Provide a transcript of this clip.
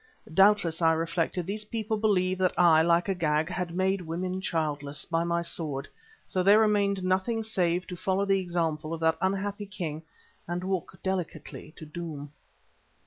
Doubtless, I reflected, these people believe that I, like Agag, had "made women childless" by my sword, so there remained nothing save to follow the example of that unhappy king and walk "delicately" to doom.